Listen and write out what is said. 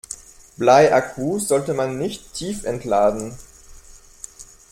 Bleiakkus sollte man nicht tiefentladen.